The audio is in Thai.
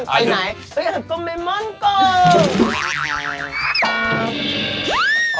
ไปไหนโปรเกมมอนโกล